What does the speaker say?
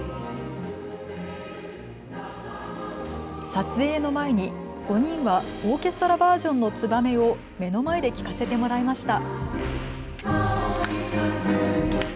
撮影の前に５人はオーケストラバージョンの「ツバメ」を目の前で聴かせてもらいました。